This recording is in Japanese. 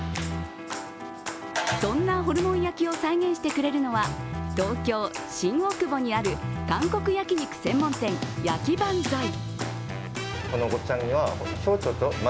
そんなホルモン焼きを再現してくれるのは、東京・新大久保にある韓国焼肉専門店、ヤキバンザイ。